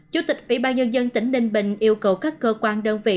chủ tịch ủy ban nhân dân tỉnh ninh bình yêu cầu các cơ quan đơn vị